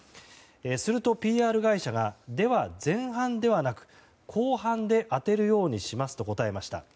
すると、ＰＲ会社がでは前半ではなく後半で当てるようにしますと答えました。